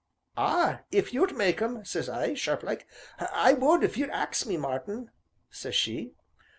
'Ah! if you'd mak' 'em!' says I, sharp like. 'I would if you'd ax me, Martin,' says she.